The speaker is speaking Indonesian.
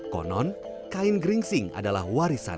konon kain geringsing adalah warisan